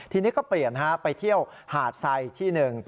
ทีนี้ก็เปลี่ยนไปเที่ยวหาดไซดที่หนึ่ง